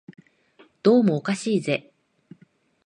どうもおかしいぜ